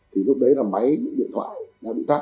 thì lúc đấy là máy điện thoại đã bị tắt